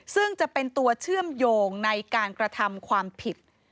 ซึ่งจะเป็นตัวเชื่อมโยงในการกระทำความผิด